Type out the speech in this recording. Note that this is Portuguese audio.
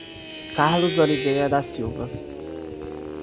Carlos Oliveira da Silva